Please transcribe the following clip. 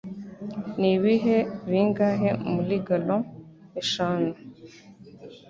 Nibihe bingahe muri Gallons eshanu?